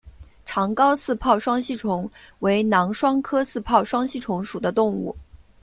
长睾似泡双吸虫为囊双科似泡双吸虫属的动物。